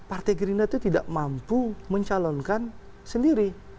partai gerindra itu tidak mampu mencalonkan sendiri